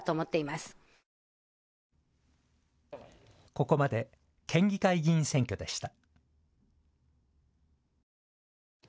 ここまで県議会議員選挙でした。